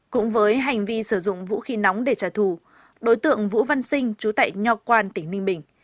cũng với hành vi sử dụng vũ khí nóng để trả thù đối tượng vũ văn sinh chú tại nho quan tỉnh ninh bình